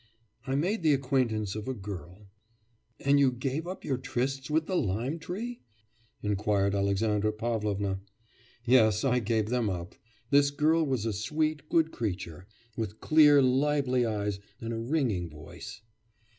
I made the acquaintance of a girl ' 'And you gave up your trysts with the lime tree?' inquired Alexandra Pavlovna. 'Yes; I gave them up. This girl was a sweet, good creature, with clear, lively eyes and a ringing voice.